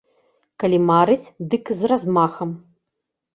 Калі марыць, дык з размахам.